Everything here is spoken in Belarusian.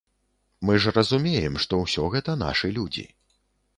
Мы ж разумеем, што ўсё гэта нашы людзі.